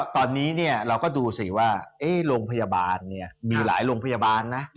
ตอนนี้เราก็ดูสิว่าโรงพยาบาลมีหลายโรงพยาบาลนะ